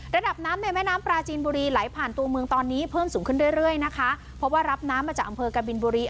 ระดับน้ำในแม่น้ำปลาจีนบุรีไหลผ่านตัวเมืองตอนนี้เพิ่มสูงขึ้นเรื่อยเรื่อยนะคะเพราะว่ารับน้ำมาจากอำเภอกบินบุรี